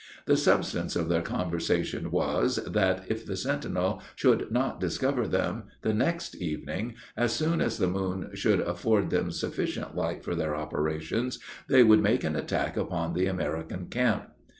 The substance of their conversation was, that, if the sentinel should not discover them, the next evening, as soon as the moon should afford them sufficient light for their operations, they would make an attack upon the American camp.